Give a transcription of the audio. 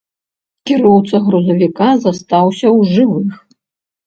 Кіроўца грузавіка застаўся ў жывых.